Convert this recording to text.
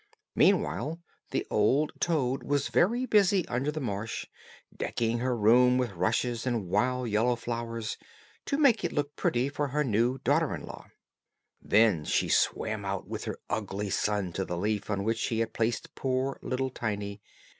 Meanwhile the old toad was very busy under the marsh, decking her room with rushes and wild yellow flowers, to make it look pretty for her new daughter in law. Then she swam out with her ugly son to the leaf on which she had placed poor little Tiny.